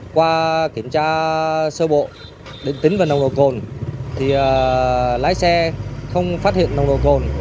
qua kiểm tra sơ bộ tính vào nồng độ cồn thì lái xe không phát hiện nồng độ cồn